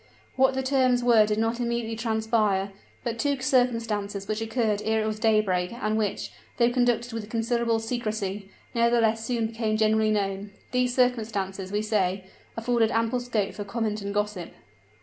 What the terms were did not immediately transpire; but two circumstances which occurred ere it was daybreak, and which, though conducted with considerable secrecy, nevertheless soon became generally known these circumstances, we say, afforded ample scope for comment and gossip.